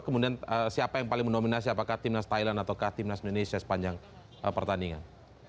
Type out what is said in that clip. kemudian siapa yang paling mendominasi apakah tim nas thailand atau tim nas indonesia sepanjang pertandingan